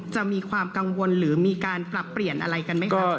จะมีความกังวลหรือมีการปรับเปลี่ยนอะไรกันไหมคะ